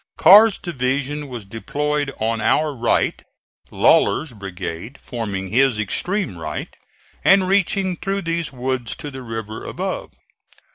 Carr's division was deployed on our right, Lawler's brigade forming his extreme right and reaching through these woods to the river above.